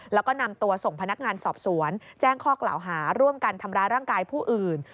แล้วก็นำตัวส่งพนักงานสอบสวนแจ้งข้อกล่าวหาร่วมกันทำร้ายร่างกายผู้อื่น